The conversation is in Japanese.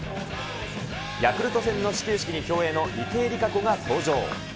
ヤクルト戦の始球式に競泳の池江璃花子が登場。